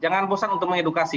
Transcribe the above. jangan bosan untuk mengedukasi